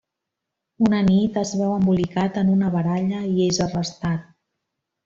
Una nit es veu embolicat en una baralla i és arrestat.